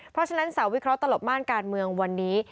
เพราะฉะนั้นสาววิเคราะห์ตลบม่านการเมืองวันนี้